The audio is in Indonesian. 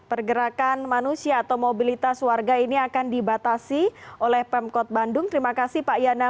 pergerakan manusia atau mobilitas warga ini akan dibatasi oleh pemkot bandung terima kasih pak yana